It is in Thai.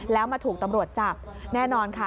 แล้วมาถูกตำรวจจับแน่นอนค่ะ